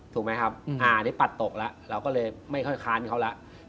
ถูกไหมครับอันนี้ปัดตกแล้วเราก็เลยไม่ค่อยค้านเขาแล้ว